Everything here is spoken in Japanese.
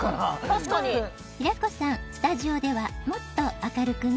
確かに「平子さんスタジオでは」「もっと明るくね」